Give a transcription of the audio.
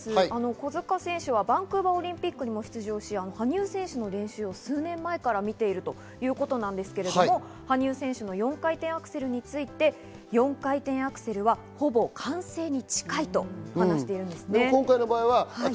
小塚選手はバンクーバーオリンピックにも出場し、羽生選手の練習を数年前から見ているということですが、羽生選手の４回転アクセルについては４回転アクセルはほぼ完成に近いと話しています。